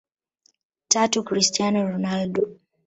Tatu Christiano Ronaldo